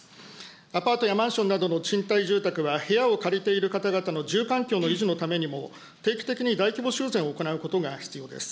アパートやマンションなどの賃貸住宅は部屋を借りている方々の住環境の維持のためにも、定期的に大規模修繕を行うことが必要です。